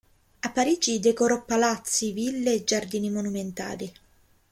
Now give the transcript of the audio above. A Parigi decorò palazzi, ville, giardini monumentali.